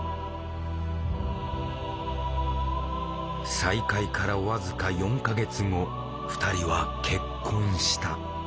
再会から僅か４か月後２人は結婚した。